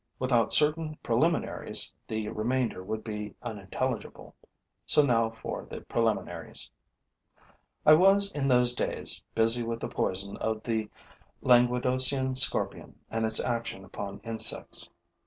Without certain preliminaries, the remainder would be unintelligible. So now for the preliminaries. I was in those days busy with the poison of the Languedocian scorpion and its action upon insects.